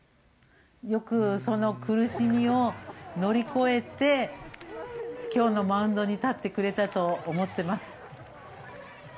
よくその苦しみを乗り越えて今日のマウンドに立ってくれたと思ってます。